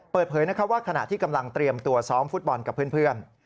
เปิดเผยว่าขณะที่กำลังเตรียมตัวซ้อมฟุตบอลกับเพื่อน